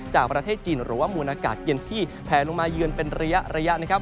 จากประเทศจีนหรือว่ามูลอากาศเย็นที่แผลลงมาเยือนเป็นระยะนะครับ